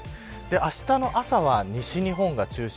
あしたの朝は西日本が中心。